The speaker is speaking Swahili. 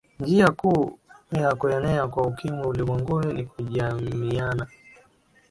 njia kuu ya kuenea kwa ukimwi ulimwenguni ni kujamiiana